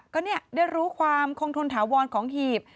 ก็เนี่ยได้รู้ความคงทุนถาวรของหีบ